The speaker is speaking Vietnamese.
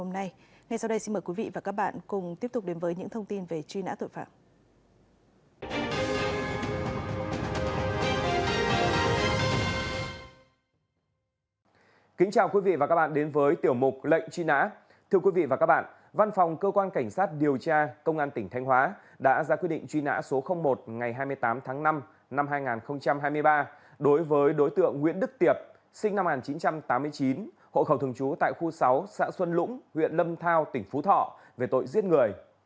một lệnh truy nã thưa quý vị và các bạn văn phòng cơ quan cảnh sát điều tra công an tỉnh thanh hóa đã ra quy định truy nã số một ngày hai mươi tám tháng năm năm hai nghìn hai mươi ba đối với đối tượng nguyễn đức tiệp sinh năm một nghìn chín trăm tám mươi chín hộ khẩu thường trú tại khu sáu xã xuân lũng huyện lâm thao tỉnh phú thọ về tội giết người